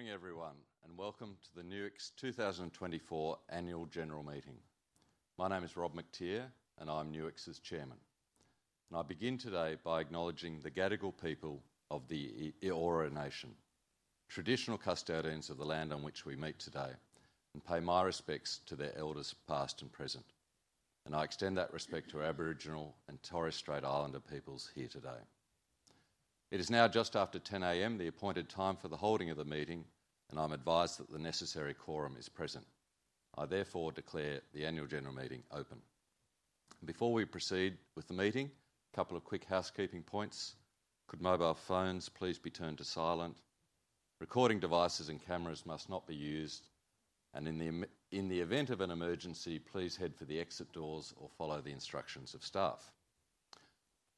Good morning, everyone, and welcome to the Nuix 2024 Annual General Meeting. My name is Rob Mactier, and I'm Nuix's Chairman. I begin today by acknowledging the Gadigal people of the Eora Nation, traditional custodians of the land on which we meet today, and pay my respects to their elders past and present. I extend that respect to Aboriginal and Torres Strait Islander peoples here today. It is now just after 10:00 A.M., the appointed time for the holding of the meeting, and I'm advised that the necessary quorum is present. I therefore declare the Annual General Meeting open. Before we proceed with the meeting, a couple of quick housekeeping points. Could mobile phones please be turned to silent? Recording devices and cameras must not be used. In the event of an emergency, please head for the exit doors or follow the instructions of staff.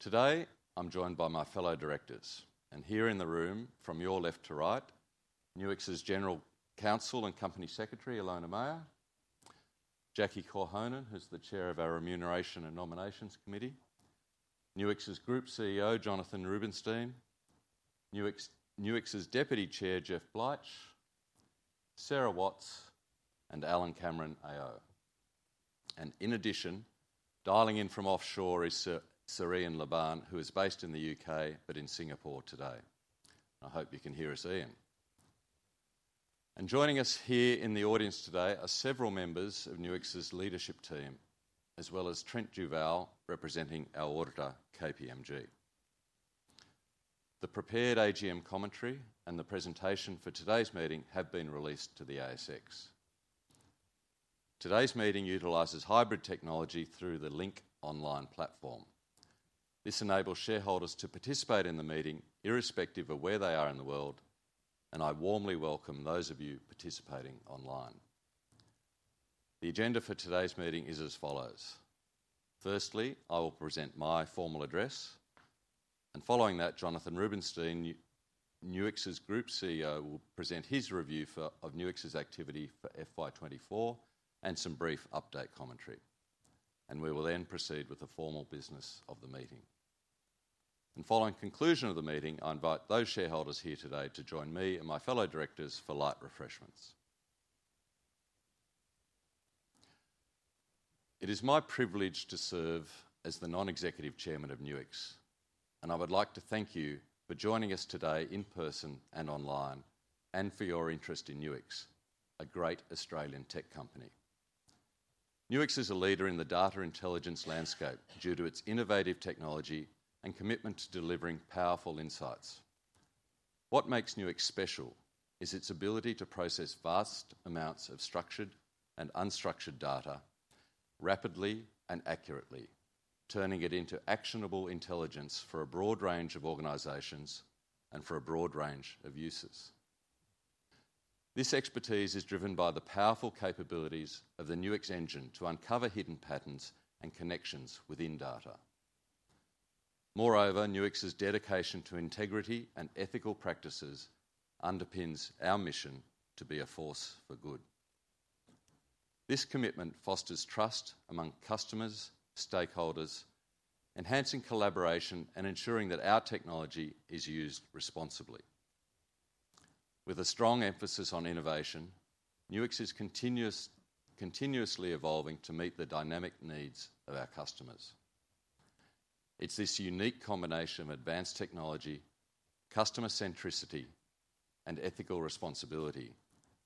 Today, I'm joined by my fellow directors. And here in the room, from your left to right, Nuix's General Counsel and Company Secretary, Ilona Meyer, Jacqueline Korhonen, who's the Chair of our Remuneration and Nominations Committee, Nuix's Group CEO, Jonathan Rubinsztein, Nuix's Deputy Chair, Jeff Bleich, Sara Watts, and Alan Cameron, AO. And in addition, dialing in from offshore is Sir Ian Lobban, who is based in the U.K. but in Singapore today. I hope you can hear us, Ian. And joining us here in the audience today are several members of Nuix's leadership team, as well as Trent Duvall, representing our auditor, KPMG. The prepared AGM commentary and the presentation for today's meeting have been released to the ASX. Today's meeting utilizes hybrid technology through the Link Online platform. This enables shareholders to participate in the meeting irrespective of where they are in the world, and I warmly welcome those of you participating online. The agenda for today's meeting is as follows. Firstly, I will present my formal address, and following that, Jonathan Rubinsztein, Nuix's Group CEO, will present his review of Nuix's activity for FY24 and some brief update commentary, and we will then proceed with the formal business of the meeting. Following conclusion of the meeting, I invite those shareholders here today to join me and my fellow directors for light refreshments. It is my privilege to serve as the non-executive Chairman of Nuix, and I would like to thank you for joining us today in person and online and for your interest in Nuix, a great Australian tech company. Nuix is a leader in the data intelligence landscape due to its innovative technology and commitment to delivering powerful insights. What makes Nuix special is its ability to process vast amounts of structured and unstructured data rapidly and accurately, turning it into actionable intelligence for a broad range of organizations and for a broad range of uses. This expertise is driven by the powerful capabilities of the Nuix engine to uncover hidden patterns and connections within data. Moreover, Nuix's dedication to integrity and ethical practices underpins our mission to be a force for good. This commitment fosters trust among customers and stakeholders, enhancing collaboration and ensuring that our technology is used responsibly. With a strong emphasis on innovation, Nuix is continuously evolving to meet the dynamic needs of our customers. It's this unique combination of advanced technology, customer centricity, and ethical responsibility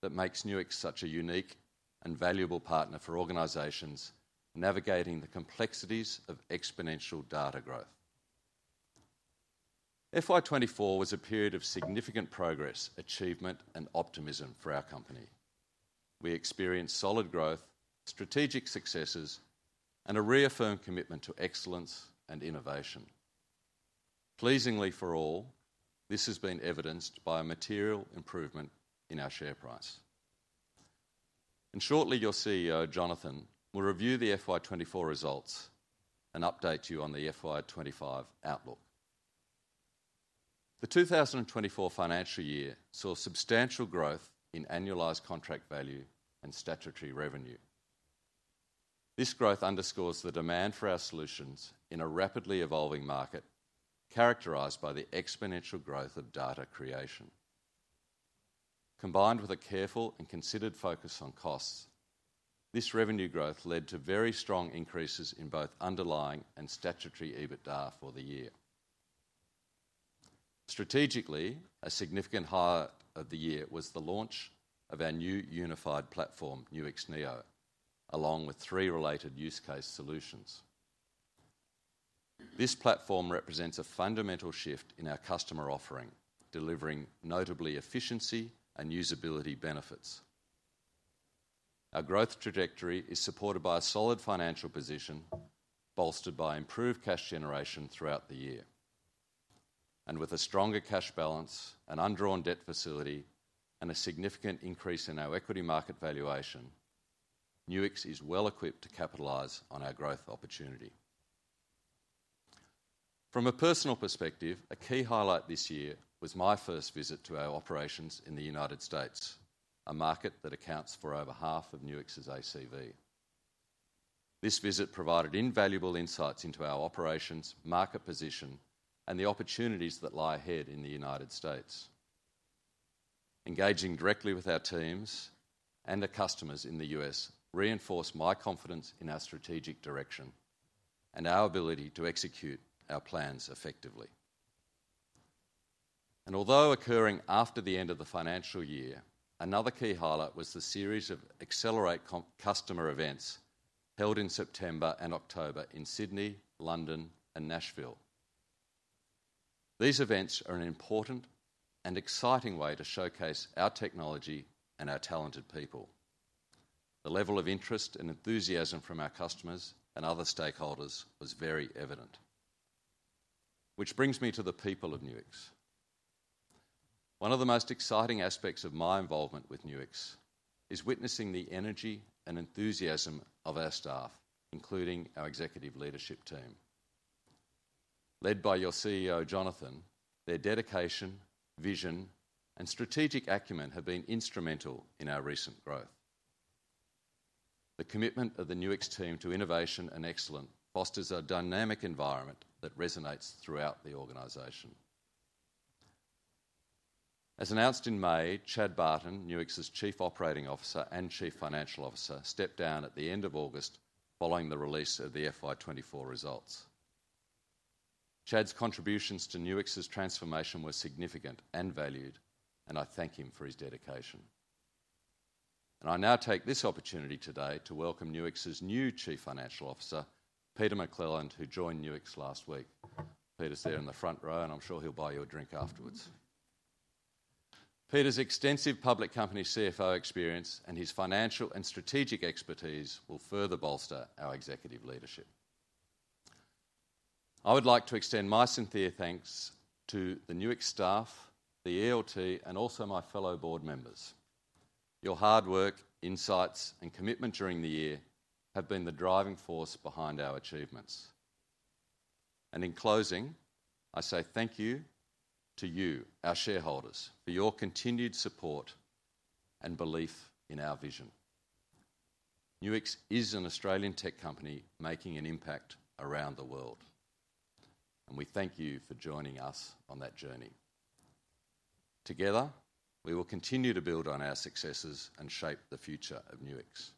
that makes Nuix such a unique and valuable partner for organizations navigating the complexities of exponential data growth. FY24 was a period of significant progress, achievement, and optimism for our company. We experienced solid growth, strategic successes, and a reaffirmed commitment to excellence and innovation. Pleasingly for all, this has been evidenced by a material improvement in our share price. Shortly, your CEO, Jonathan, will review the FY24 results and update you on the FY25 outlook. The 2024 financial year saw substantial growth in annualized contract value and statutory revenue. This growth underscores the demand for our solutions in a rapidly evolving market characterized by the exponential growth of data creation. Combined with a careful and considered focus on costs, this revenue growth led to very strong increases in both underlying and statutory EBITDA for the year. Strategically, a significant highlight of the year was the launch of our new unified platform, Nuix Neo, along with three related use case solutions. This platform represents a fundamental shift in our customer offering, delivering notable efficiency and usability benefits. Our growth trajectory is supported by a solid financial position bolstered by improved cash generation throughout the year, and with a stronger cash balance, an undrawn debt facility, and a significant increase in our equity market valuation, Nuix is well equipped to capitalize on our growth opportunity. From a personal perspective, a key highlight this year was my first visit to our operations in the United States, a market that accounts for over half of Nuix's ACV. This visit provided invaluable insights into our operations, market position, and the opportunities that lie ahead in the United States. Engaging directly with our teams and the customers in the U.S. reinforced my confidence in our strategic direction and our ability to execute our plans effectively, and although occurring after the end of the financial year, another key highlight was the series of Accelerate Customer events held in September and October in Sydney, London, and Nashville. These events are an important and exciting way to showcase our technology and our talented people. The level of interest and enthusiasm from our customers and other stakeholders was very evident. Which brings me to the people of Nuix. One of the most exciting aspects of my involvement with Nuix is witnessing the energy and enthusiasm of our staff, including our Executive Leadership Team. Led by your CEO, Jonathan, their dedication, vision, and strategic acumen have been instrumental in our recent growth. The commitment of the Nuix team to innovation and excellence fosters a dynamic environment that resonates throughout the organization. As announced in May, Chad Barton, Nuix's Chief Operating Officer and Chief Financial Officer, stepped down at the end of August following the release of the FY24 results. Chad's contributions to Nuix's transformation were significant and valued, and I thank him for his dedication. And I now take this opportunity today to welcome Nuix's new Chief Financial Officer, Peter McClelland, who joined Nuix last week. Peter's there in the front row, and I'm sure he'll buy you a drink afterwards. Peter's extensive public company CFO experience and his financial and strategic expertise will further bolster our executive leadership. I would like to extend my sincere thanks to the Nuix staff, the ELT, and also my fellow board members. Your hard work, insights, and commitment during the year have been the driving force behind our achievements. And in closing, I say thank you to you, our shareholders, for your continued support and belief in our vision. Nuix is an Australian tech company making an impact around the world, and we thank you for joining us on that journey. Together, we will continue to build on our successes and shape the future of Nuix.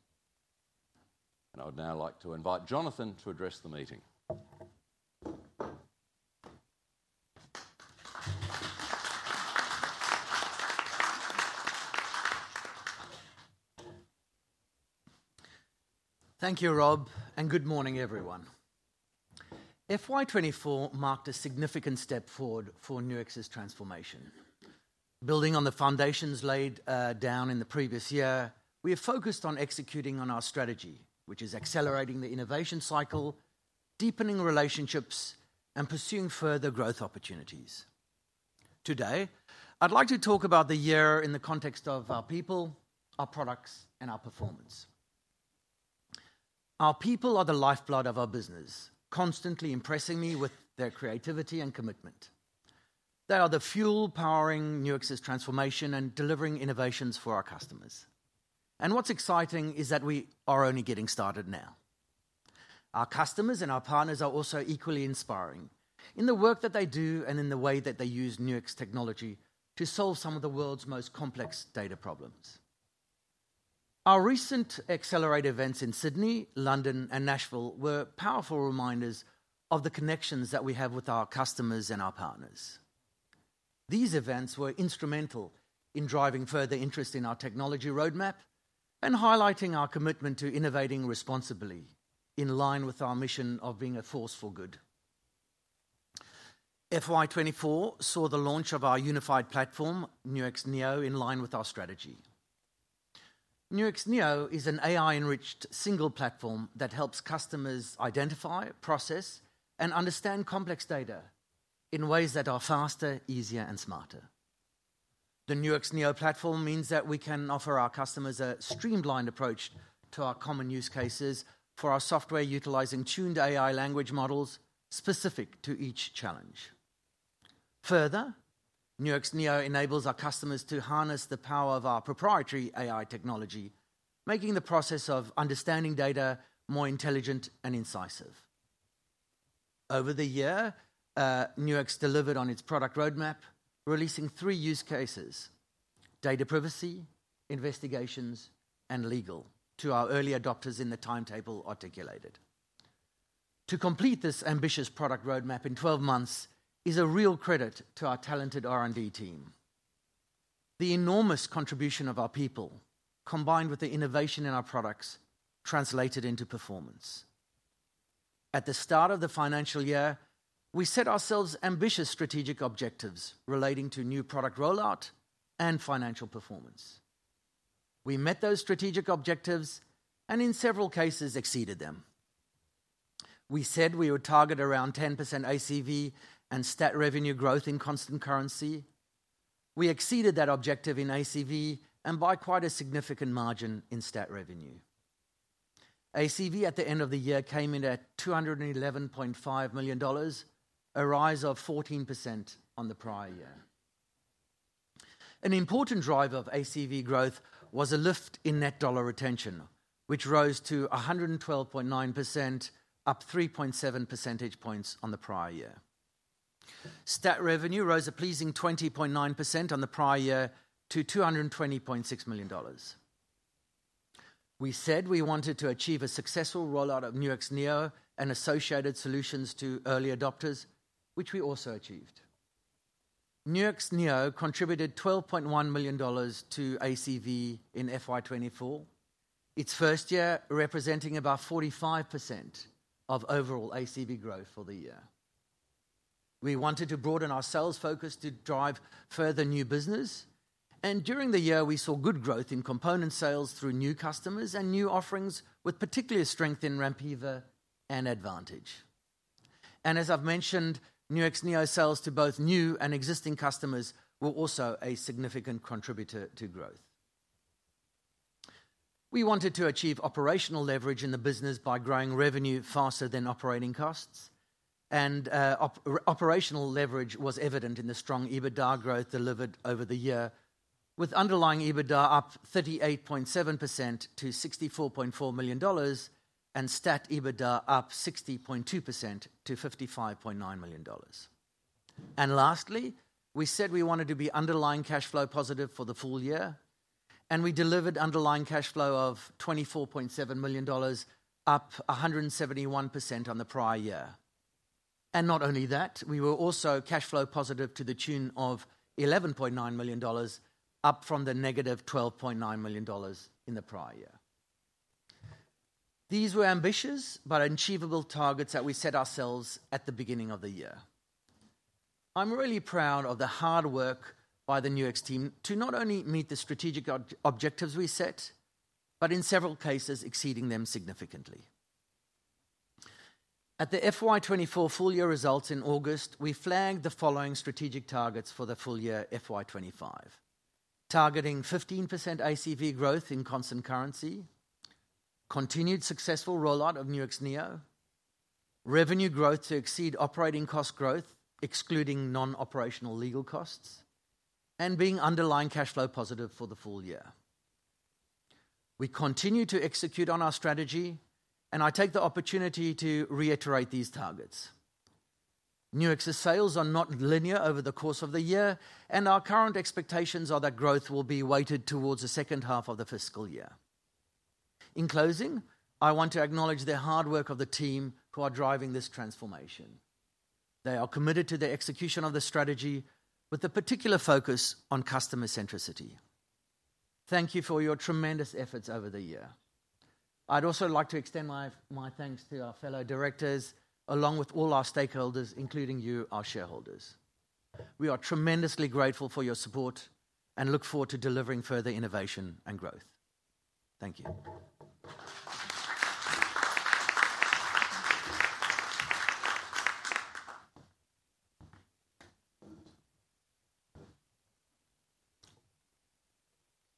And I would now like to invite Jonathan to address the meeting. Thank you, Rob, and good morning, everyone. FY24 marked a significant step forward for Nuix's transformation. Building on the foundations laid down in the previous year, we have focused on executing on our strategy, which is accelerating the innovation cycle, deepening relationships, and pursuing further growth opportunities. Today, I'd like to talk about the year in the context of our people, our products, and our performance. Our people are the lifeblood of our business, constantly impressing me with their creativity and commitment. They are the fuel powering Nuix's transformation and delivering innovations for our customers. And what's exciting is that we are only getting started now. Our customers and our partners are also equally inspiring in the work that they do and in the way that they use Nuix technology to solve some of the world's most complex data problems. Our recent Accelerate events in Sydney, London, and Nashville were powerful reminders of the connections that we have with our customers and our partners. These events were instrumental in driving further interest in our technology roadmap and highlighting our commitment to innovating responsibly, in line with our mission of being a force for good. FY24 saw the launch of our unified platform, Nuix Neo, in line with our strategy. Nuix Neo is an AI-enriched single platform that helps customers identify, process, and understand complex data in ways that are faster, easier, and smarter. The Nuix Neo platform means that we can offer our customers a streamlined approach to our common use cases for our software, utilizing tuned AI language models specific to each challenge. Further, Nuix Neo enables our customers to harness the power of our proprietary AI technology, making the process of understanding data more intelligent and incisive. Over the year, Nuix delivered on its product roadmap, releasing three use cases: data privacy, investigations, and legal, to our early adopters in the timetable articulated. To complete this ambitious product roadmap in 12 months is a real credit to our talented R&D team. The enormous contribution of our people, combined with the innovation in our products, translated into performance. At the start of the financial year, we set ourselves ambitious strategic objectives relating to new product rollout and financial performance. We met those strategic objectives and, in several cases, exceeded them. We said we would target around 10% ACV and stat revenue growth in constant currency. We exceeded that objective in ACV and by quite a significant margin in stat revenue. ACV at the end of the year came in at 211.5 million dollars, a rise of 14% on the prior year. An important driver of ACV growth was a lift in net dollar retention, which rose to 112.9%, up 3.7 percentage points on the prior year. Stat revenue rose a pleasing 20.9% on the prior year to 220.6 million dollars. We said we wanted to achieve a successful rollout of Nuix Neo and associated solutions to early adopters, which we also achieved. Nuix Neo contributed AUD 12.1 million to ACV in FY24, its first year representing about 45% of overall ACV growth for the year. We wanted to broaden our sales focus to drive further new business. And during the year, we saw good growth in component sales through new customers and new offerings, with particular strength in Rampiva and Advantage. And as I've mentioned, Nuix Neo sales to both new and existing customers were also a significant contributor to growth. We wanted to achieve operational leverage in the business by growing revenue faster than operating costs. Operational leverage was evident in the strong EBITDA growth delivered over the year, with underlying EBITDA up 38.7% to 64.4 million dollars and stat EBITDA up 60.2% to 55.9 million dollars. Lastly, we said we wanted to be underlying cash flow positive for the full year, and we delivered underlying cash flow of 24.7 million dollars, up 171% on the prior year. Not only that, we were also cash flow positive to the tune of 11.9 million dollars, up from the negative 12.9 million dollars in the prior year. These were ambitious but achievable targets that we set ourselves at the beginning of the year. I'm really proud of the hard work by the Nuix team to not only meet the strategic objectives we set, but in several cases, exceeding them significantly. At the FY24 full year results in August, we flagged the following strategic targets for the full year FY25: targeting 15% ACV growth in constant currency, continued successful rollout of Nuix Neo, revenue growth to exceed operating cost growth, excluding non-operational legal costs, and being underlying cash flow positive for the full year. We continue to execute on our strategy, and I take the opportunity to reiterate these targets. Nuix's sales are not linear over the course of the year, and our current expectations are that growth will be weighted towards the second half of the fiscal year. In closing, I want to acknowledge the hard work of the team who are driving this transformation. They are committed to the execution of the strategy, with a particular focus on customer centricity. Thank you for your tremendous efforts over the year. I'd also like to extend my thanks to our fellow directors, along with all our stakeholders, including you, our shareholders. We are tremendously grateful for your support and look forward to delivering further innovation and growth. Thank you.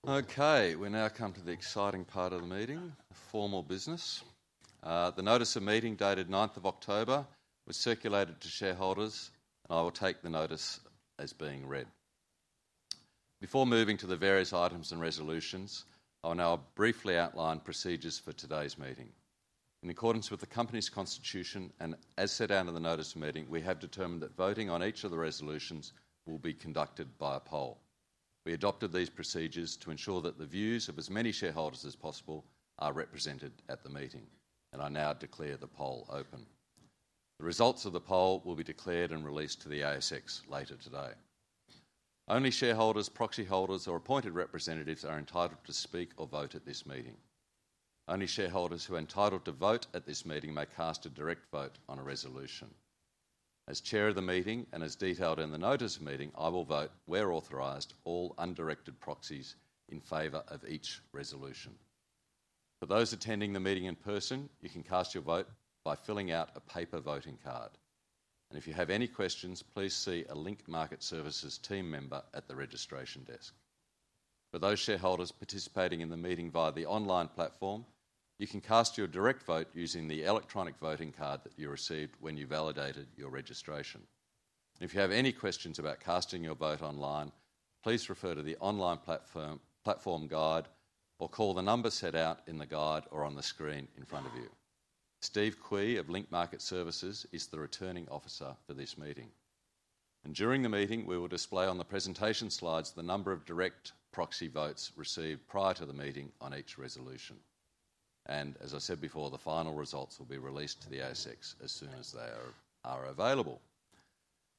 Okay, we now come to the exciting part of the meeting, the formal business. The notice of meeting dated 9th of October was circulated to shareholders, and I will take the notice as being read. Before moving to the various items and resolutions, I'll now briefly outline procedures for today's meeting. In accordance with the company's constitution and as set out in the notice of meeting, we have determined that voting on each of the resolutions will be conducted by a poll. We adopted these procedures to ensure that the views of as many shareholders as possible are represented at the meeting, and I now declare the poll open. The results of the poll will be declared and released to the ASX later today. Only shareholders, proxy holders, or appointed representatives are entitled to speak or vote at this meeting. Only shareholders who are entitled to vote at this meeting may cast a direct vote on a resolution. As chair of the meeting and as detailed in the notice of meeting, I will vote, where authorized, all undirected proxies in favor of each resolution. For those attending the meeting in person, you can cast your vote by filling out a paper voting card, and if you have any questions, please see a Link Market Services team member at the registration desk. For those shareholders participating in the meeting via the online platform, you can cast your direct vote using the electronic voting card that you received when you validated your registration. If you have any questions about casting your vote online, please refer to the online platform guide or call the number set out in the guide or on the screen in front of you. Steve Kooy of Link Market Services is the returning officer for this meeting. During the meeting, we will display on the presentation slides the number of direct proxy votes received prior to the meeting on each resolution. As I said before, the final results will be released to the ASX as soon as they are available.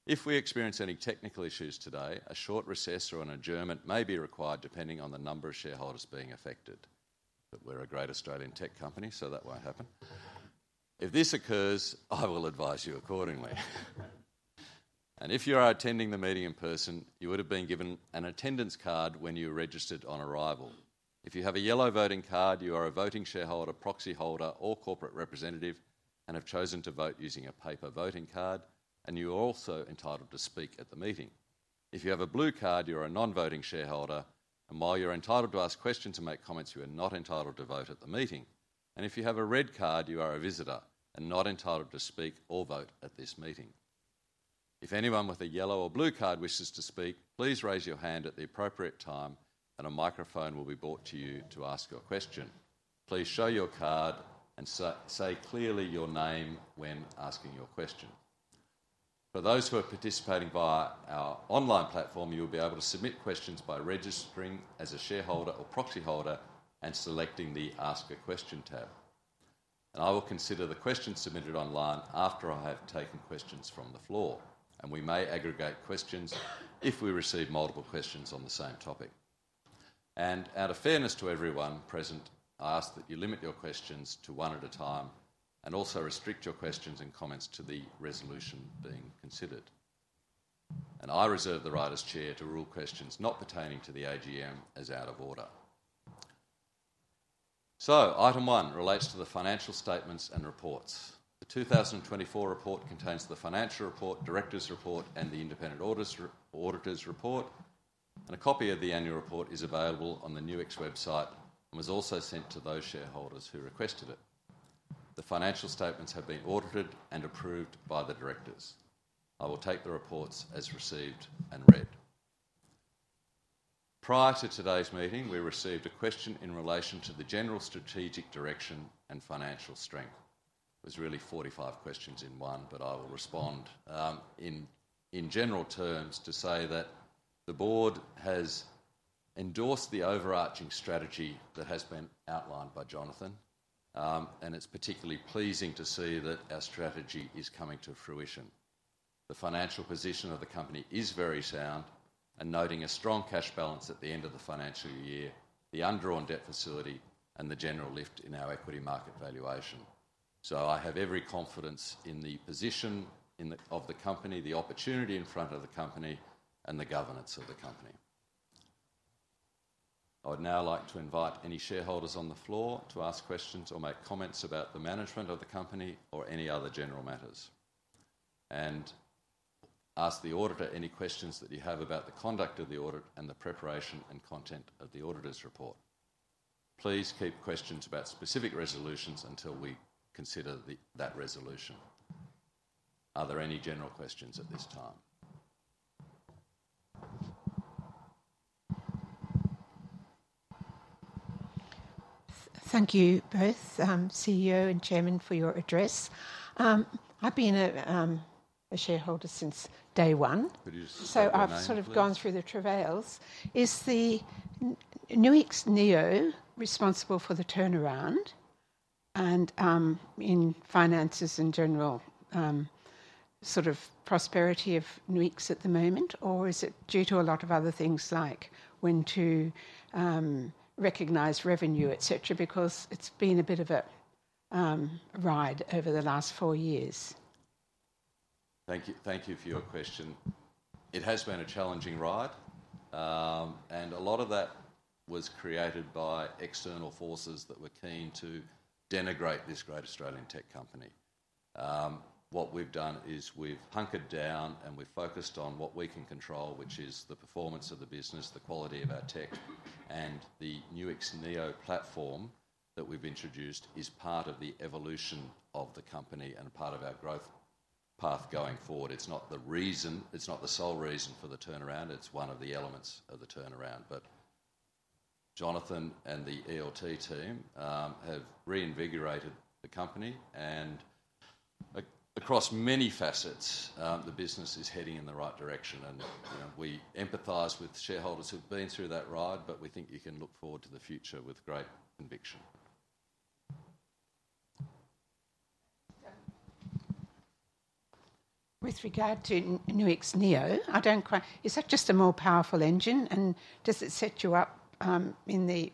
If we experience any technical issues today, a short recess or an adjournment may be required depending on the number of shareholders being affected. We're a great Australian tech company, so that won't happen. If this occurs, I will advise you accordingly. If you are attending the meeting in person, you would have been given an attendance card when you registered on arrival. If you have a yellow voting card, you are a voting shareholder, proxy holder, or corporate representative and have chosen to vote using a paper voting card, and you are also entitled to speak at the meeting. If you have a blue card, you are a non-voting shareholder, and while you're entitled to ask questions and make comments, you are not entitled to vote at the meeting. And if you have a red card, you are a visitor and not entitled to speak or vote at this meeting. If anyone with a yellow or blue card wishes to speak, please raise your hand at the appropriate time, and a microphone will be brought to you to ask your question. Please show your card and say clearly your name when asking your question. For those who are participating via our online platform, you will be able to submit questions by registering as a shareholder or proxy holder and selecting the Ask a Question tab, and I will consider the questions submitted online after I have taken questions from the floor, and we may aggregate questions if we receive multiple questions on the same topic, and out of fairness to everyone present, I ask that you limit your questions to one at a time and also restrict your questions and comments to the resolution being considered, and I reserve the right as chair to rule questions not pertaining to the AGM as out of order, so item one relates to the financial statements and reports. The 2024 report contains the financial report, directors' report, and the independent auditors' report. A copy of the annual report is available on the Nuix website and was also sent to those shareholders who requested it. The financial statements have been audited and approved by the directors. I will take the reports as received and read. Prior to today's meeting, we received a question in relation to the general strategic direction and financial strength. It was really 45 questions in one, but I will respond in general terms to say that the board has endorsed the overarching strategy that has been outlined by Jonathan, and it's particularly pleasing to see that our strategy is coming to fruition. The financial position of the company is very sound, and noting a strong cash balance at the end of the financial year, the undrawn debt facility, and the general lift in our equity market valuation. I have every confidence in the position of the company, the opportunity in front of the company, and the governance of the company. I would now like to invite any shareholders on the floor to ask questions or make comments about the management of the company or any other general matters, and ask the auditor any questions that you have about the conduct of the audit and the preparation and content of the auditor's report. Please keep questions about specific resolutions until we consider that resolution. Are there any general questions at this time? Thank you both, CEO and Chairman, for your address. I've been a shareholder since day one, so I've sort of gone through the travails. Is the Nuix Neo responsible for the turnaround and in finances in general, sort of prosperity of Nuix at the moment, or is it due to a lot of other things like when to recognize revenue, et cetera, because it's been a bit of a ride over the last four years? Thank you for your question. It has been a challenging ride, and a lot of that was created by external forces that were keen to denigrate this great Australian tech company. What we've done is we've hunkered down and we've focused on what we can control, which is the performance of the business, the quality of our tech, and the Nuix Neo platform that we've introduced is part of the evolution of the company and part of our growth path going forward. It's not the reason, it's not the sole reason for the turnaround, it's one of the elements of the turnaround. But Jonathan and the ELT team have reinvigorated the company, and across many facets, the business is heading in the right direction. And we empathize with shareholders who've been through that ride, but we think you can look forward to the future with great conviction. With regard to Nuix Neo, I don't quite - is that just a more powerful engine, and does it set you up in the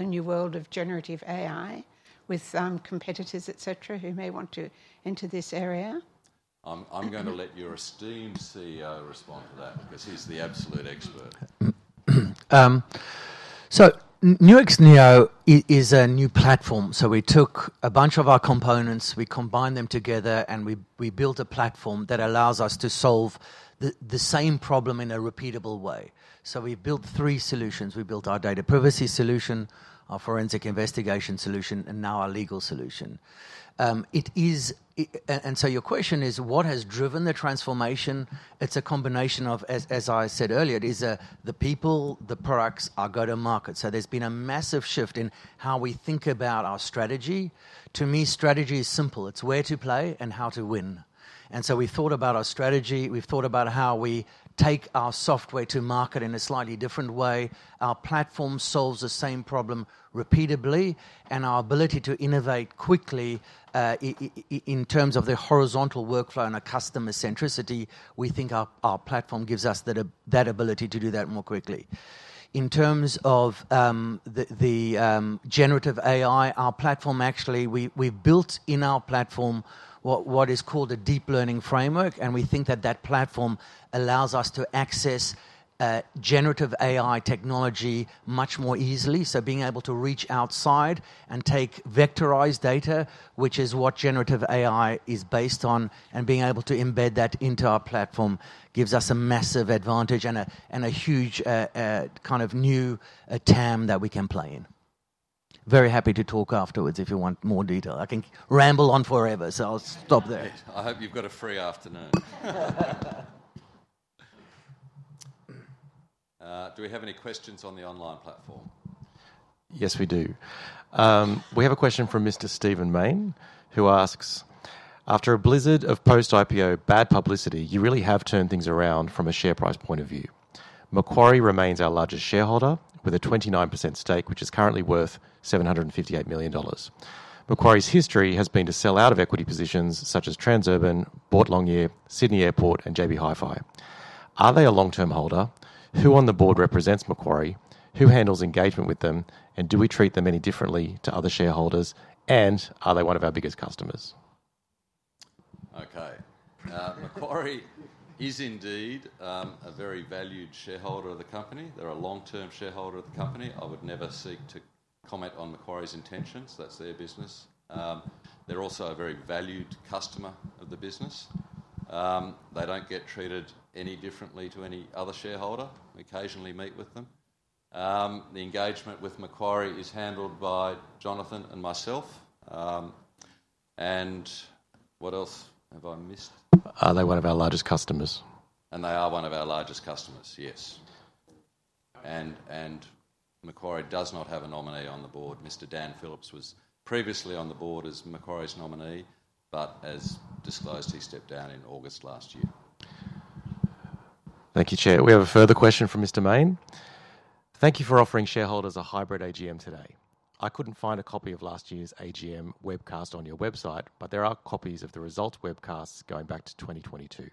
new world of generative AI with competitors, et cetera, who may want to enter this area? I'm going to let your esteemed CEO respond to that because he's the absolute expert. Nuix Neo is a new platform. We took a bunch of our components, we combined them together, and we built a platform that allows us to solve the same problem in a repeatable way. We built three solutions. We built our data privacy solution, our forensic investigation solution, and now our legal solution. Your question is, what has driven the transformation? It's a combination of, as I said earlier, it is the people, the products, our go-to-market. There's been a massive shift in how we think about our strategy. To me, strategy is simple. It's where to play and how to win. We thought about our strategy. We've thought about how we take our software to market in a slightly different way. Our platform solves the same problem repeatably, and our ability to innovate quickly in terms of the horizontal workflow and our customer centricity. We think our platform gives us that ability to do that more quickly. In terms of the generative AI, our platform, actually, we've built in our platform what is called a deep learning framework, and we think that that platform allows us to access generative AI technology much more easily. So being able to reach outside and take vectorized data, which is what generative AI is based on, and being able to embed that into our platform gives us a massive advantage and a huge kind of new TAM that we can play in. Very happy to talk afterwards if you want more detail. I can ramble on forever, so I'll stop there. I hope you've got a free afternoon. Do we have any questions on the online platform? Yes, we do. We have a question from Mr. Stephen Mayne, who asks, "After a blizzard of post-IPO bad publicity, you really have turned things around from a share price point of view. Macquarie remains our largest shareholder with a 29% stake, which is currently worth 758 million dollars. Macquarie's history has been to sell out of equity positions such as Transurban, Boart Longyear, Sydney Airport, and JB Hi-Fi. Are they a long-term holder? Who on the board represents Macquarie? Who handles engagement with them? And do we treat them any differently to other shareholders? And are they one of our biggest customers? Okay. Macquarie is indeed a very valued shareholder of the company. They're a long-term shareholder of the company. I would never seek to comment on Macquarie's intentions. That's their business. They're also a very valued customer of the business. They don't get treated any differently to any other shareholder. We occasionally meet with them. The engagement with Macquarie is handled by Jonathan and myself, and what else have I missed? Are they one of our largest customers? They are one of our largest customers, yes. Macquarie does not have a nominee on the board. Mr. Dan Phillips was previously on the board as Macquarie's nominee, but as disclosed, he stepped down in August last year. Thank you, Chair. We have a further question from Mr. Mayne. "Thank you for offering shareholders a hybrid AGM today. I couldn't find a copy of last year's AGM webcast on your website, but there are copies of the results webcasts going back to 2022.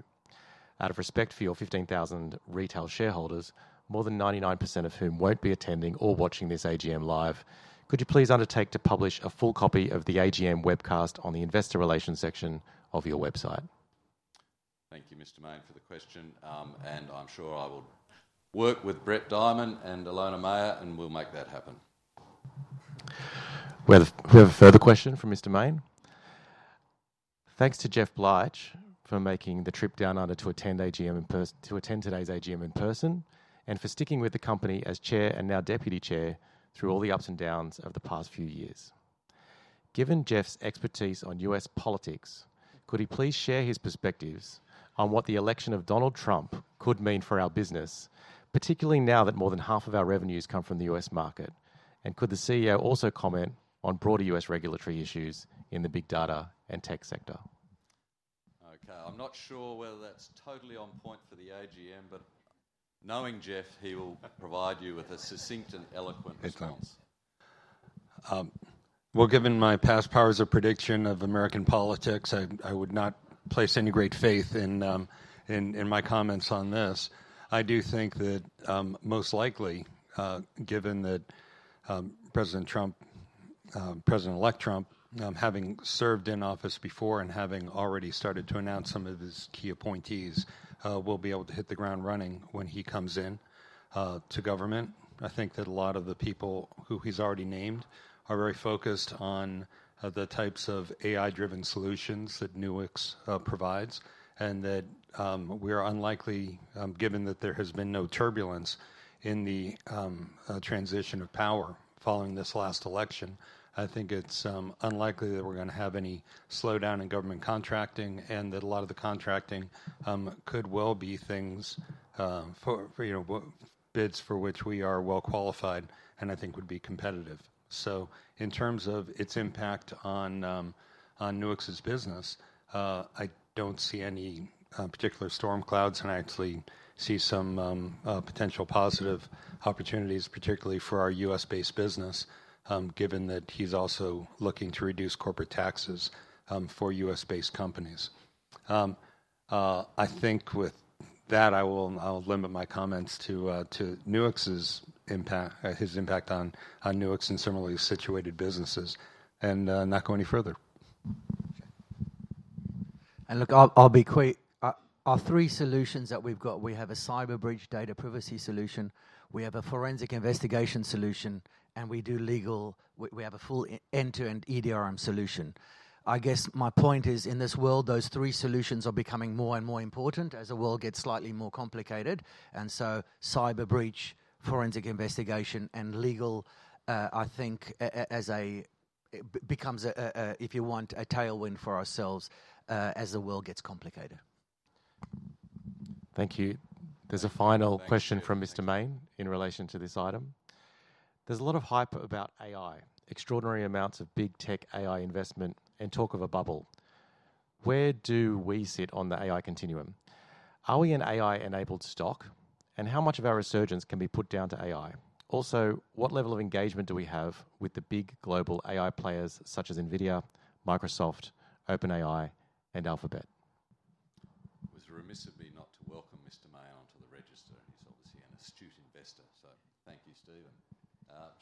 Out of respect for your 15,000 retail shareholders, more than 99% of whom won't be attending or watching this AGM live, could you please undertake to publish a full copy of the AGM webcast on the investor relations section of your website? Thank you, Mr. Mayne, for the question, and I'm sure I will work with Brett Diamond and Ilona Meyer, and we'll make that happen. We have a further question from Mr. Mayne. "Thanks to Jeff Bleich for making the trip down under to attend today's AGM in person and for sticking with the company as Chair and now Deputy Chair through all the ups and downs of the past few years. Given Jeff's expertise on U.S. politics, could he please share his perspectives on what the election of Donald Trump could mean for our business, particularly now that more than half of our revenues come from the U.S. market? And could the CEO also comment on broader U.S. regulatory issues in the big data and tech sector? Okay. I'm not sure whether that's totally on point for the AGM, but knowing Jeff, he will provide you with a succinct and eloquent response. Given my past powers of prediction of American politics, I would not place any great faith in my comments on this. I do think that most likely, given that President Trump, President-elect Trump, having served in office before and having already started to announce some of his key appointees, will be able to hit the ground running when he comes into government. I think that a lot of the people who he's already named are very focused on the types of AI-driven solutions that Nuix provides, and that we are unlikely, given that there has been no turbulence in the transition of power following this last election, I think it's unlikely that we're going to have any slowdown in government contracting and that a lot of the contracting could well be things, bids for which we are well qualified and I think would be competitive. So in terms of its impact on Nuix's business, I don't see any particular storm clouds, and I actually see some potential positive opportunities, particularly for our U.S.-based business, given that he's also looking to reduce corporate taxes for U.S.-based companies. I think with that, I'll limit my comments to Nuix's impact on Nuix and similarly situated businesses. And I'll not go any further. Look, I'll be quick. Our three solutions that we've got, we have a cyber breach data privacy solution, we have a forensic investigation solution, and we do legal, we have a full end-to-end EDRM solution. I guess my point is, in this world, those three solutions are becoming more and more important as the world gets slightly more complicated. So cyber breach, forensic investigation, and legal, I think, becomes, if you want, a tailwind for ourselves as the world gets complicated. Thank you. There's a final question from Mr. Mayne in relation to this item. "There's a lot of hype about AI, extraordinary amounts of big tech AI investment, and talk of a bubble. Where do we sit on the AI continuum? Are we an AI-enabled stock, and how much of our resurgence can be put down to AI? Also, what level of engagement do we have with the big global AI players such as Nvidia, Microsoft, OpenAI, and Alphabet? It was remiss of me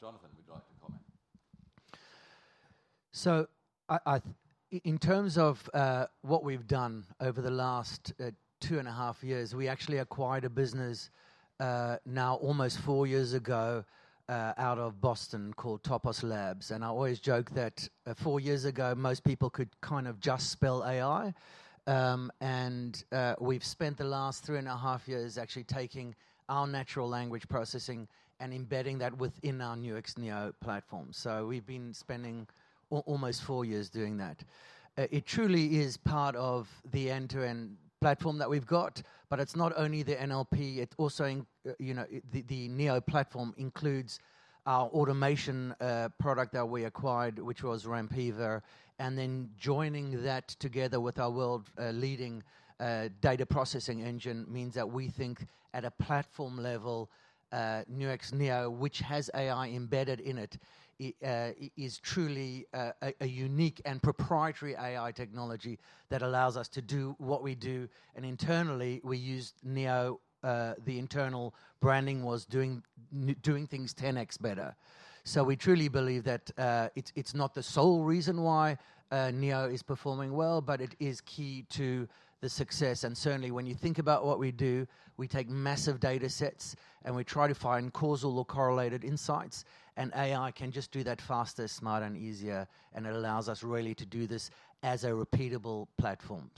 not to welcome Mr. Mayne onto the register. He's obviously an astute investor, so thank you, Stephen. Jonathan would like to comment. So in terms of what we've done over the last two and a half years, we actually acquired a business now almost four years ago out of Boston called Topos Labs. And I always joke that four years ago, most people could kind of just spell AI. And we've spent the last three and a half years actually taking our natural language processing and embedding that within our Nuix Neo platform. So we've been spending almost four years doing that. It truly is part of the end-to-end platform that we've got, but it's not only the NLP. It's also the Neo platform includes our automation product that we acquired, which was Rampiva. And then joining that together with our world-leading data processing engine means that we think at a platform level, Nuix Neo, which has AI embedded in it, is truly a unique and proprietary AI technology that allows us to do what we do. And internally, we use Neo. The internal branding was doing things 10x better. So we truly believe that it's not the sole reason why Neo is performing well, but it is key to the success. And certainly, when you think about what we do, we take massive data sets and we try to find causal or correlated insights, and AI can just do that faster, smarter, and easier, and it allows us really to do this as a repeatable platform.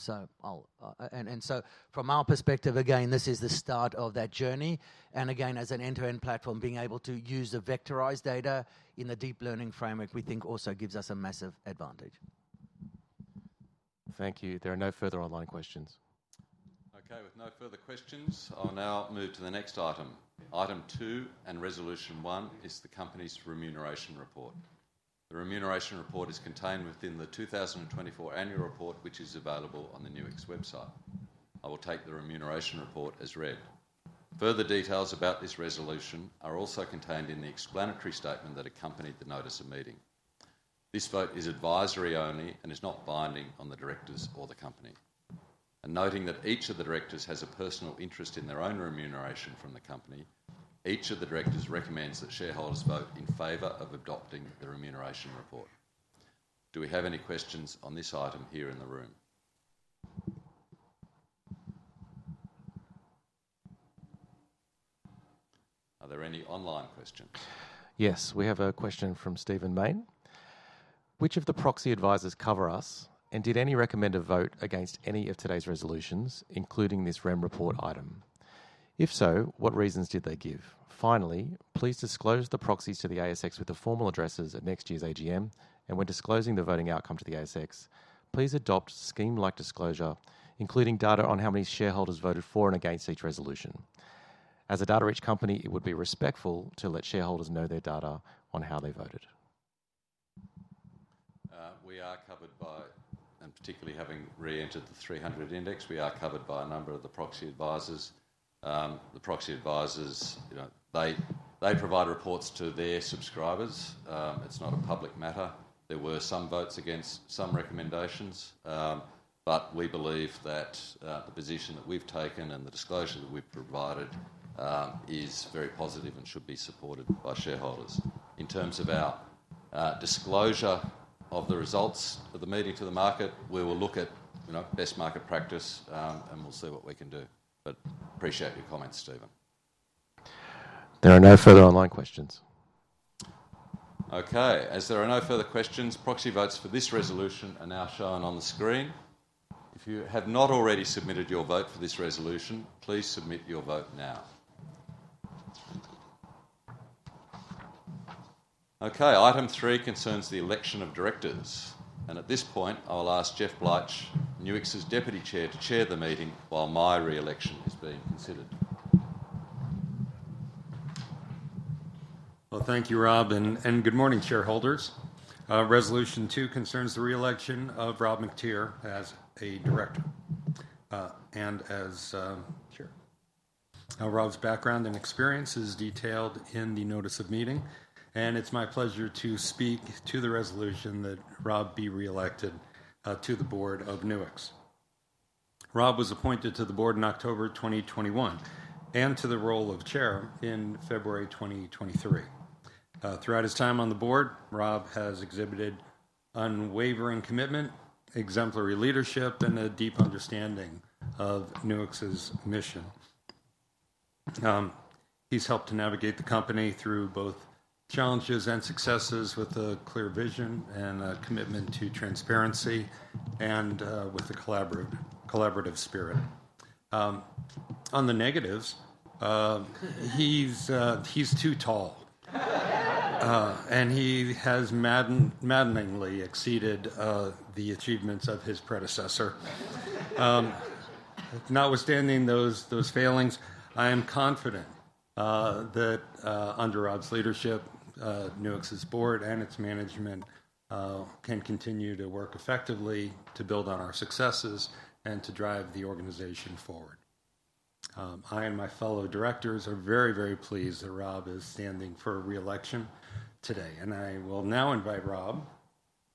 And so from our perspective, again, this is the start of that journey. Again, as an end-to-end platform, being able to use the vectorized data in the deep learning framework, we think also gives us a massive advantage. Thank you. There are no further online questions. Okay. With no further questions, I'll now move to the next item. Item two and resolution one is the company's Remuneration Report. The Remuneration Report is contained within the 2024 annual report, which is available on the Nuix website. I will take the Remuneration Report as read. Further details about this resolution are also contained in the explanatory statement that accompanied the notice of meeting. This vote is advisory only and is not binding on the directors or the company. And noting that each of the directors has a personal interest in their own remuneration from the company, each of the directors recommends that shareholders vote in favor of adopting the Remuneration Report. Do we have any questions on this item here in the room? Are there any online questions? Yes. We have a question from Stephen Mayne. "Which of the proxy advisors cover us, and did any recommend a vote against any of today's resolutions, including this Remuneration Report item? If so, what reasons did they give? Finally, please disclose the proxies to the ASX with the formal addresses at next year's AGM, and when disclosing the voting outcome to the ASX, please adopt scheme-like disclosure, including data on how many shareholders voted for and against each resolution. As a data-rich company, it would be respectful to let shareholders know their data on how they voted. We are covered by, and particularly having re-entered the 300 index, we are covered by a number of the proxy advisors. The proxy advisors, they provide reports to there subscribers. It's not a public matter. There were some votes against some recommendations, but we believe that the position that we've taken and the disclosure that we've provided is very positive and should be supported by shareholders. In terms of our disclosure of the results of the meeting to the market, we will look at best market practice and we'll see what we can do but appreciate your comments, Stephen. There are no further online questions. Okay. As there are no further questions, proxy votes for this resolution are now shown on the screen. If you have not already submitted your vote for this resolution, please submit your vote now. Okay. Item three concerns the election of directors, and at this point, I will ask Jeff Bleich, Nuix's deputy chair, to chair the meeting while my re-election is being considered. Thank you, Rob. And good morning, shareholders. Resolution two concerns the re-election of Rob Mactier as a director and as chair. Rob's background and experience is detailed in the notice of meeting. And it's my pleasure to speak to the resolution that Rob be re-elected to the board of Nuix. Rob was appointed to the board in October 2021 and to the role of chair in February 2023. Throughout his time on the board, Rob has exhibited unwavering commitment, exemplary leadership, and a deep understanding of Nuix's mission. He's helped to navigate the company through both challenges and successes with a clear vision and a commitment to transparency and with a collaborative spirit. On the negatives, he's too tall, and he has maddeningly exceeded the achievements of his predecessor. Notwithstanding those failings, I am confident that under Rob's leadership, Nuix's board and its management can continue to work effectively to build on our successes and to drive the organization forward. I and my fellow directors are very, very pleased that Rob is standing for re-election today, and I will now invite Rob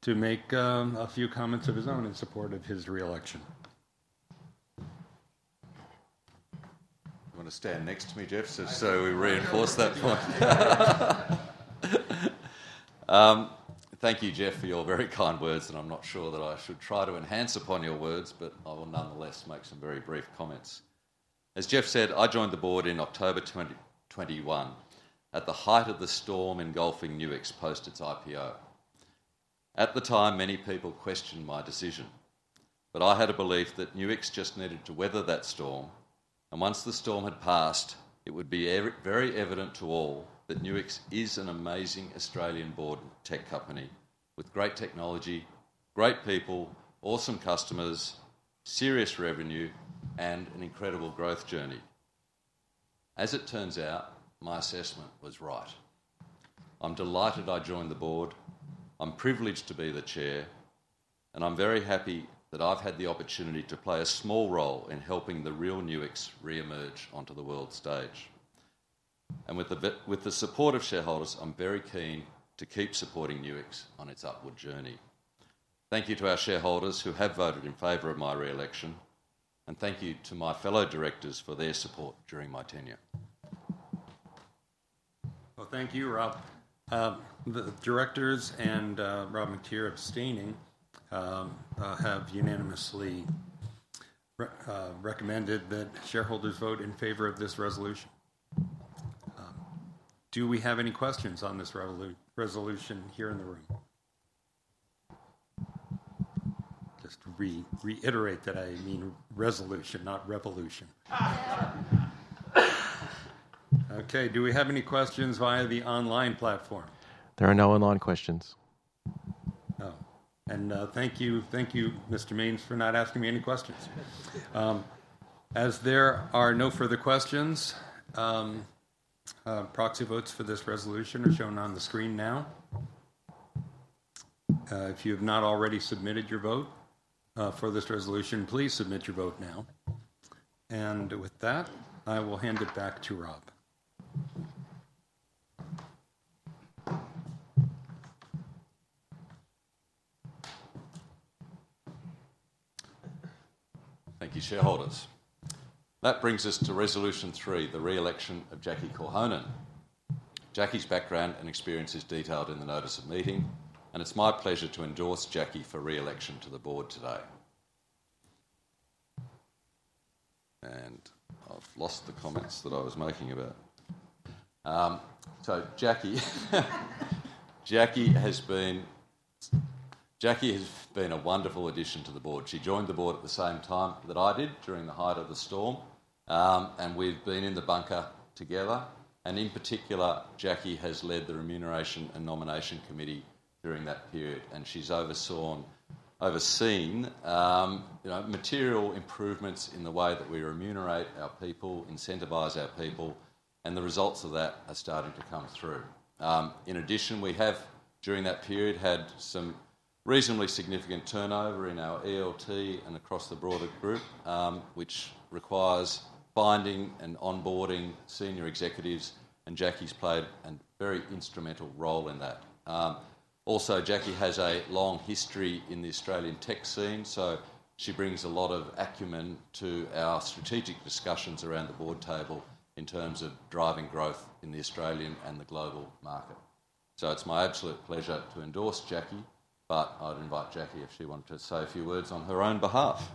to make a few comments of his own in support of his re-election. You want to stand next to me, Jeff, so we reinforce that point? Thank you, Jeff, for your very kind words. I'm not sure that I should try to enhance upon your words, but I will nonetheless make some very brief comments. As Jeff said, I joined the board in October 2021 at the height of the storm engulfing Nuix post its IPO. At the time, many people questioned my decision, but I had a belief that Nuix just needed to weather that storm. Once the storm had passed, it would be very evident to all that Nuix is an amazing Australian-born tech company with great technology, great people, awesome customers, serious revenue, and an incredible growth journey. As it turns out, my assessment was right. I'm delighted I joined the board. I'm privileged to be the Chair, and I'm very happy that I've had the opportunity to play a small role in helping the real Nuix re-emerge onto the world stage, and with the support of shareholders, I'm very keen to keep supporting Nuix on its upward journey. Thank you to our shareholders who have voted in favor of my re-election, and thank you to my fellow directors for their support during my tenure. Well, thank you, Rob. The directors and Rob Mactier of Nuix have unanimously recommended that shareholders vote in favor of this resolution. Do we have any questions on this resolution here in the room? Just reiterate that I mean resolution, not revolution. Okay. Do we have any questions via the online platform? There are no online questions. Oh. And thank you, Mr. Mayne, for not asking me any questions. As there are no further questions, proxy votes for this resolution are shown on the screen now. If you have not already submitted your vote for this resolution, please submit your vote now. And with that, I will hand it back to Rob. Thank you, shareholders. That brings us to resolution three, the re-election of Jackie Korhonen. Jackie's background and experience is detailed in the Notice of Meeting, and it's my pleasure to endorse Jackie for re-election to the board today. And I've lost the comments that I was making about. So Jackie has been a wonderful addition to the board. She joined the board at the same time that I did during the height of the storm, and we've been in the bunker together. And in particular, Jackie has led the Remuneration and Nominations Committee during that period, and she's overseen material improvements in the way that we remunerate our people, incentivize our people, and the results of that are starting to come through. In addition, we have, during that period, had some reasonably significant turnover in our ELT and across the broader group, which requires finding and onboarding senior executives, and Jackie's played a very instrumental role in that. Also, Jackie has a long history in the Australian tech scene, so she brings a lot of acumen to our strategic discussions around the board table in terms of driving growth in the Australian and the global market. So it's my absolute pleasure to endorse Jackie, but I'd invite Jackie if she wanted to say a few words on her own behalf.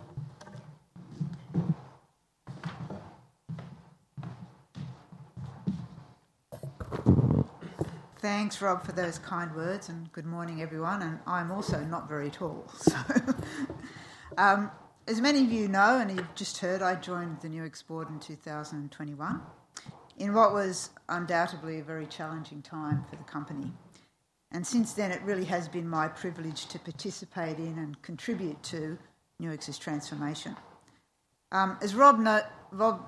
Thanks, Rob, for those kind words, and good morning, everyone. And I'm also not very tall. As many of you know, and you've just heard, I joined the Nuix board in 2021 in what was undoubtedly a very challenging time for the company. And since then, it really has been my privilege to participate in and contribute to Nuix's transformation. As Rob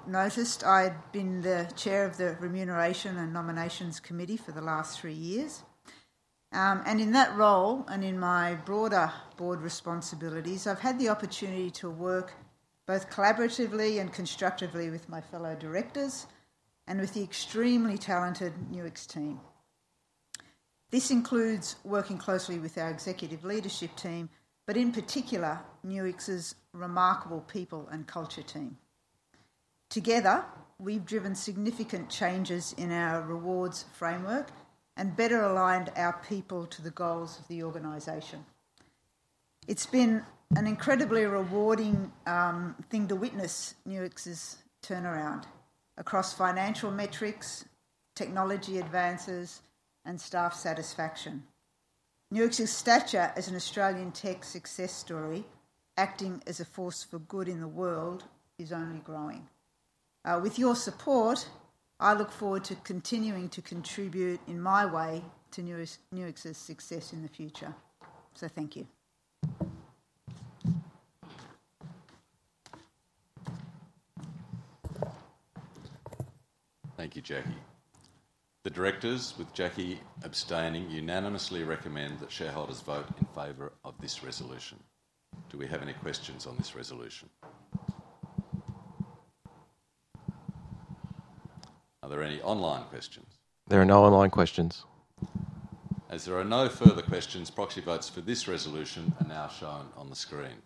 noticed, I've been the Chair of the Remuneration and Nominations Committee for the last three years. And in that role and in my broader board responsibilities, I've had the opportunity to work both collaboratively and constructively with my fellow directors and with the extremely talented Nuix team. This includes working closely with our Executive Leadership Team, but in particular, Nuix's remarkable People and Culture Team. Together, we've driven significant changes in our rewards framework and better aligned our people to the goals of the organization. It's been an incredibly rewarding thing to witness Nuix's turnaround across financial metrics, technology advances, and staff satisfaction. Nuix's stature as an Australian tech success story, acting as a force for good in the world, is only growing. With your support, I look forward to continuing to contribute in my way to Nuix's success in the future. So thank you. Thank you, Jackie. The directors, with Jackie abstaining, unanimously recommend that shareholders vote in favor of this resolution. Do we have any questions on this resolution? Are there any online questions? There are no online questions. As there are no further questions, proxy votes for this resolution are now shown on the screen.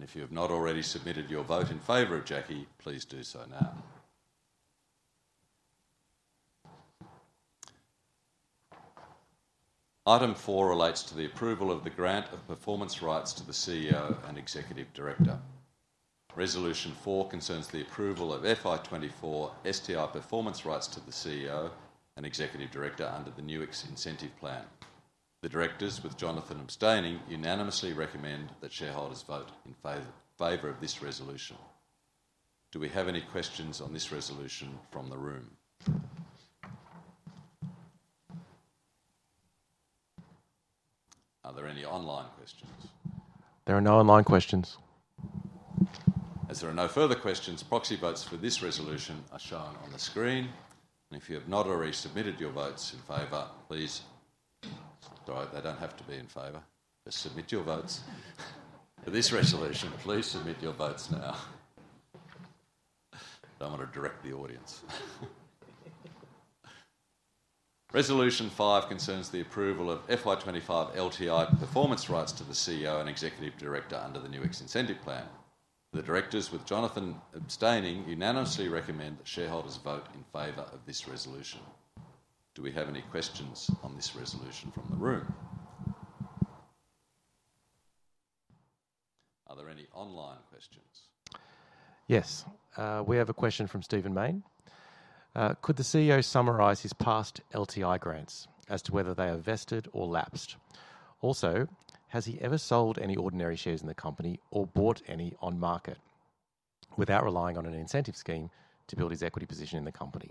If you have not already submitted your vote in favor of Jackie, please do so now. Item four relates to the approval of the grant of performance rights to the CEO and executive director. Resolution four concerns the approval of FY24 STI performance rights to the CEO and executive director under the Nuix incentive plan. The directors, with Jonathan abstaining, unanimously recommend that shareholders vote in favor of this resolution. Do we have any questions on this resolution from the room? Are there any online questions? There are no online questions. As there are no further questions, proxy votes for this resolution are shown on the screen, and if you have not already submitted your votes in favor, please, sorry, they don't have to be in favor, just submit your votes for this resolution. Please submit your votes now. I don't want to direct the audience. Resolution five concerns the approval of FY25 LTI performance rights to the CEO and executive director under the Nuix incentive plan. The directors, with Jonathan abstaining, unanimously recommend that shareholders vote in favor of this resolution. Do we have any questions on this resolution from the room? Are there any online questions? Yes. We have a question from Stephen Mayne. Could the CEO summarize his past LTI grants as to whether they are vested or lapsed? Also, has he ever sold any ordinary shares in the company or bought any on market without relying on an incentive scheme to build his equity position in the company?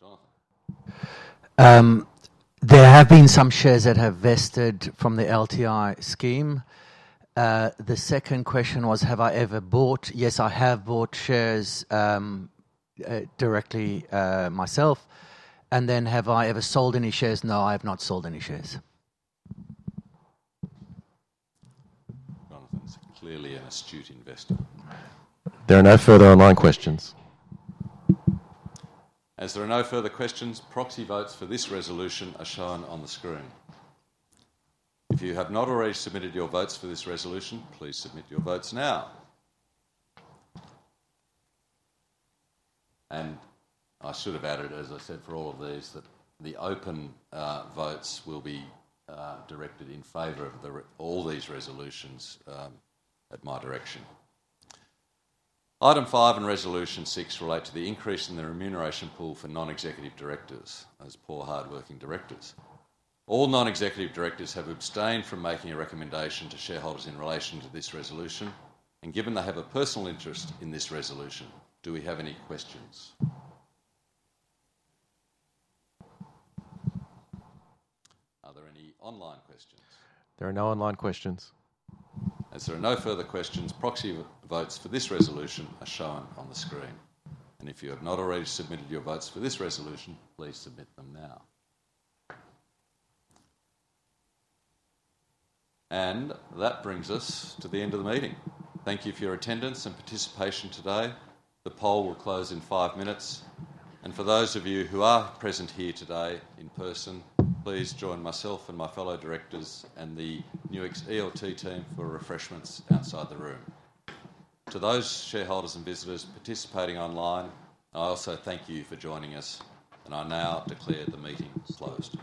Jonathan. There have been some shares that have vested from the LTI scheme. The second question was, have I ever bought? Yes, I have bought shares directly myself. And then, have I ever sold any shares? No, I have not sold any shares. Jonathan's clearly an astute investor. There are no further online questions. As there are no further questions, proxy votes for this resolution are shown on the screen. If you have not already submitted your votes for this resolution, please submit your votes now, and I should have added, as I said, for all of these, that the open votes will be directed in favor of all these resolutions at my direction. Item five and resolution six relate to the increase in the remuneration pool for non-executive directors as poor, hardworking directors. All non-executive directors have abstained from making a recommendation to shareholders in relation to this resolution, and given they have a personal interest in this resolution, do we have any questions? Are there any online questions? There are no online questions. As there are no further questions, proxy votes for this resolution are shown on the screen, and if you have not already submitted your votes for this resolution, please submit them now, and that brings us to the end of the meeting. Thank you for your attendance and participation today. The poll will close in five minutes, and for those of you who are present here today in person, please join myself and my fellow directors and the Nuix ELT team for refreshments outside the room. To those shareholders and visitors participating online, I also thank you for joining us, and I now declare the meeting closed.